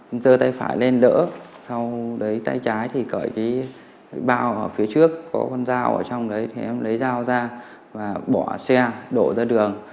em dơ tay phải lên đỡ sau lấy tay trái thì cởi cái bao ở phía trước có con dao ở trong đấy thì em lấy dao ra và bỏ xe đổ ra đường